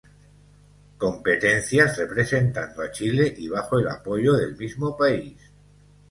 Competencias representando a Chile, y bajo el apoyo del mismo país.